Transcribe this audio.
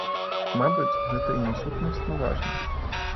Мабыць, гэта і не сутнасна важна.